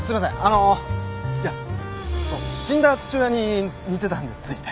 いやそう死んだ父親に似てたんでついね。